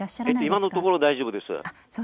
今のところ大丈夫です。